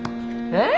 えっ？